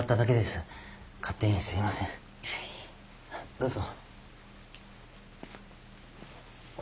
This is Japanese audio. どうぞ。